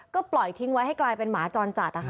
ก็ปล่อยทิ้งไว้ให้กลายเป็นหมาจรจัดนะคะ